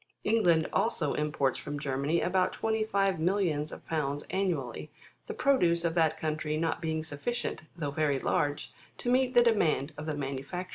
England also imports from Germany about twenty^ five millions of pounds annually, the produce of that country not being sufficient, though very large, to meet the de mand of the manufacturers.